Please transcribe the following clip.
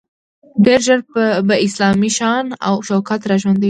ډیر ژر به اسلامي شان او شوکت را ژوندی کړو.